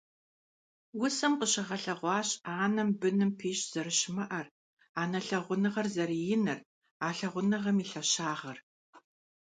Усэм къыщыгъэлъэгъуащ анэм быным пищӀ зэрыщымыӀэр, анэ лъагъуныгъэр зэрыиныр, а лъагъуныгъэм и лъэщагъыр.